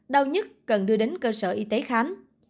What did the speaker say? đau nhất cần đưa đến cơ sở y tế khám